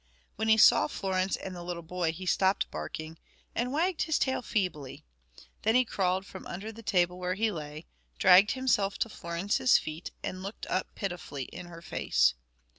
When he saw Florence and the little boy he stopped barking, and wagged his tail feebly; then he crawled from under the table where he lay, dragged himself to Florence's feet and looked up pitifully in her face.